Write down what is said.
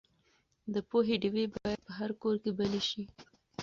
د پوهې ډیوې باید په هر کور کې بلې شي.